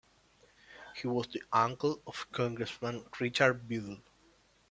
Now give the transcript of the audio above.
He was the uncle of Congressman Richard Biddle.